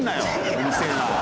うるせえな！